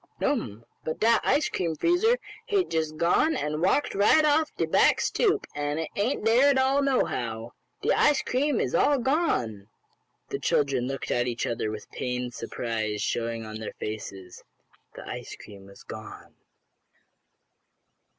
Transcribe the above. "No'm, but dat ice cream freezer hate jest gone and walked right off de back stoop, an' it ain't dere at all, nohow! De ice cream is all gone!" The children looked at one another with pained surprise showing on their faces. The ice cream was gone!